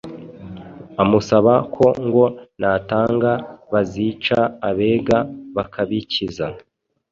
amusaba ko ngo natanga bazica abega bakabikiza.